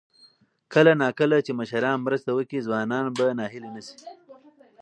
کله نا کله چې مشران مرسته وکړي، ځوانان به ناهیلي نه شي.